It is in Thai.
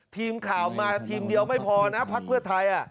ทีมข่าวมาทีมเดียวไม่พอนะพักเพื่อไทย